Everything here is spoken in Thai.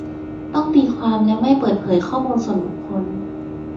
ต้องตีความ และ ไม่เปิดเผยข้อมูลส่วนบุคคล